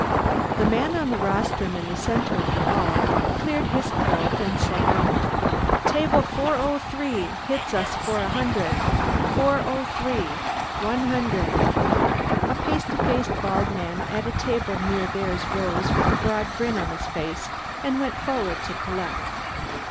The man on the rostrum in the center of the hall cleared his throat and sang out, "Table 403 hits us for a hundred! 403! One hundred!" A pasty faced bald man at a table near theirs rose with a broad grin on his face and went forward to collect.